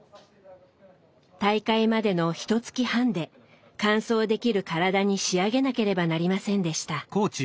大会までのひとつき半で完走できる体に仕上げなければなりませんでした。